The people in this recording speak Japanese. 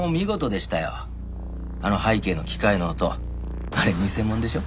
あの背景の機械の音あれ偽物でしょ？